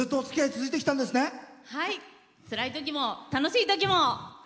つらいときも楽しいときも。